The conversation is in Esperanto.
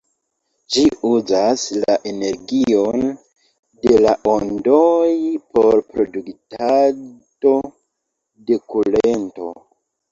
Ĝi uzas la energion de la ondoj por produktado de kurento.